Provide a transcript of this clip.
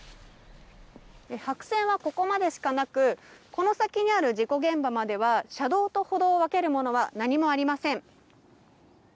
白線はここまでしかなくこの先にある事故現場までは車道と歩道を分けるものは何もありません。